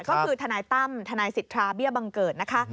ก็คือทนายตั้มทนายสิทธาเบี้ยบังเกิดนะคะ